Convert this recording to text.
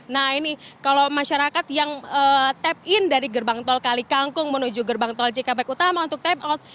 nah ini kalau masyarakat yang tap in dari gerbang tol kalikangkung menuju gerbang tol cikampek utama untuk tap out